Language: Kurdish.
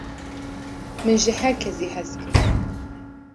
min ji herkesî hez kir